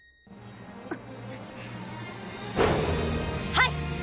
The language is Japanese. はい！